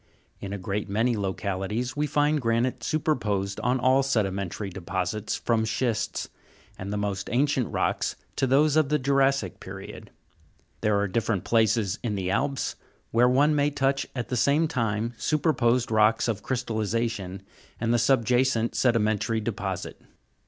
In a great many localities, we find granite superposed on all sedimentary deposits from schists, and the most ancient rocks, to those of the jura'ssic period. There are different places in the Alps, where one may touch at the same time, superposed rocks of crystallization and the subjacent sedimentary deposit.